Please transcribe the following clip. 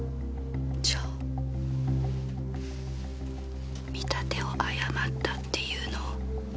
じゃあ見立てを誤ったっていうの？